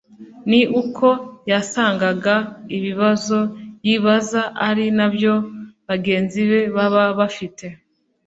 ni uko yasangaga ibibazo yibaza ari na byo bagenzi be baba bafite